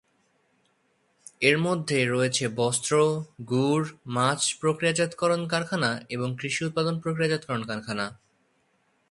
এর মধ্যে রয়েছে বস্ত্র, গুড়, মাছ প্রক্রিয়াজাতকরণ কারখানা এবং কৃষি উৎপাদন প্রক্রিয়াজাতকরণ কারখানা।